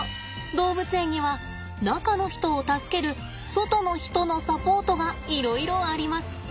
動物園には中の人を助ける外の人のサポートがいろいろあります。